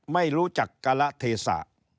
ไม่รู้จักการะเทศะ